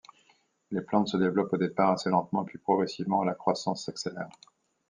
Les plantes se développent au départ assez lentement puis progressivement la croissance s’accélère.